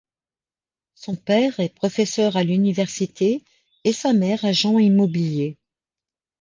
Son père est professeur à l'université et sa mère agent immobilier.